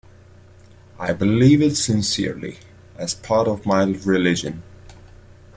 I believe it sincerely, as part of my religion.